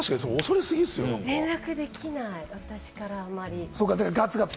連絡できない、私からあんまり。